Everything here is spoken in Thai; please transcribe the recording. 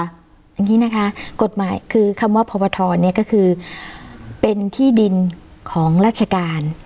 อย่างนี้นะคะกฎหมายคือคำว่าพบทรเนี่ยก็คือเป็นที่ดินของราชการ